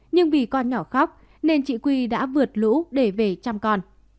nhưng vì con nhỏ khóc nên chị quy đã vượt lũ để về chăm con